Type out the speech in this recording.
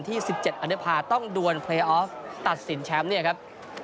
ที่สิบเจ็ดอันดับภาพต้องด้วยครับ